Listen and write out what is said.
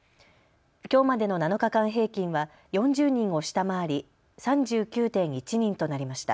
きょうまでの７日間平均は４０人を下回り３９．１人となりました。